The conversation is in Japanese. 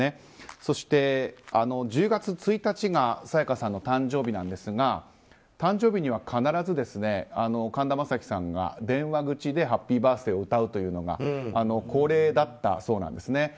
そして、１０月１日が沙也加さんの誕生日なんですが誕生日には必ず、神田正輝さんが電話口でハッピーバースデーを歌うのが恒例だったそうなんですね。